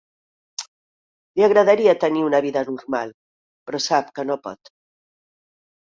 Li agradaria tenir una vida normal, però sap que no pot.